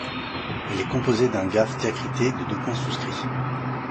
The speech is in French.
Elle est composée d’un gāf diacrité de deux points souscrits.